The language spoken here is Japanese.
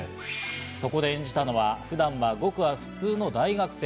そこで演じたのは普段はごく普通の大学生。